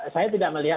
saya tidak melihat